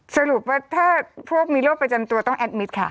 สรุปว่าถ้าพวกมีโรคประจำตัวต้องแอดมิตรค่ะ